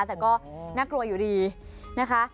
แต่ก็น่ากลัวอยู่ดีนะคะ